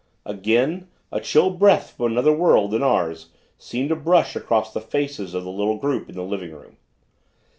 Again, a chill breath from another world than ours seemed to brush across the faces of the little group in the living room.